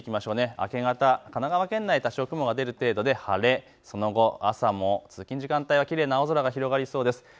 明け方、神奈川県、多少雲が出る程度で晴れ、その後、朝も通勤時間帯はきれいな青空が広がりそうです。